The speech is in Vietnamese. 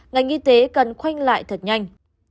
ngành y tế cần khoanh lại thật nhanh